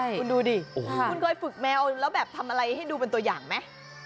คุณดูดิคุณเคยฝึกแมวแล้วแบบทำอะไรให้ดูเป็นตัวอย่างไหม